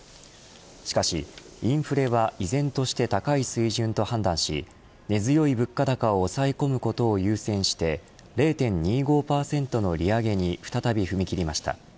しかしインフレは依然として高い水準と判断し根強い物価高を抑え込むことを優先して０．２５％の利上げに再び踏み切りました。